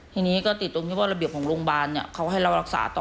ทีนี้ก็ติดตรงที่ว่าระเบียบของโรงพยาบาลเขาให้เรารักษาต่อ